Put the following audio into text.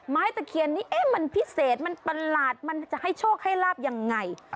ตะเคียนนี้มันพิเศษมันประหลาดมันจะให้โชคให้ลาบยังไง